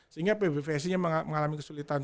sehingga pbvsi nya mengalami kesulitan